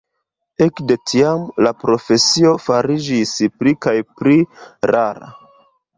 Ekde tiam la profesio fariĝis pli kaj pli rara.